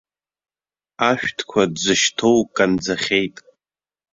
Ашәҭқәа дзышьҭоу канӡахьеит.